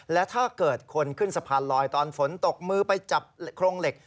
และถ้าเกิดคนขึ้นสะพานลอยตอนฝนตกมือไปจับโครงเหล็ก